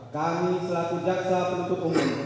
kami selaku jaksa penuntut umum